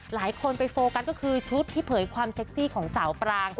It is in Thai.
หลายคนไปโฟกัสก็คือชุดที่เผยความเซ็กซี่ของสาวปราง